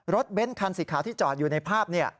รถเบนคันสิทธิ์ขาวที่จอดอยู่ในภาพนี่